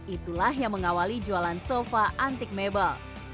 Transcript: itulah yang mengawali jualan sofa antik mebel